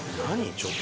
ちょっと。